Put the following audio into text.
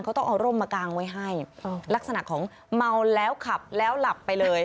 เขาต้องเอาร่มมากางไว้ให้ลักษณะของเมาแล้วขับแล้วหลับไปเลย